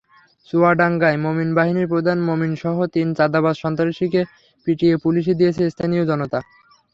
চুয়াডাঙ্গায় মোমিন বাহিনীর প্রধান মোমিনসহ তিন চাঁদাবাজ-সন্ত্রাসীকে পিটিয়ে পুলিশে দিয়েছে স্থানীয় জনতা।